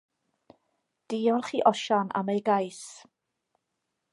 Diolch i Osian am ei gais.